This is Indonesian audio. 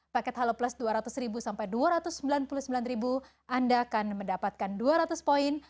paket halo plus dua ratus sampai rp dua ratus sembilan puluh sembilan anda akan mendapatkan dua ratus poin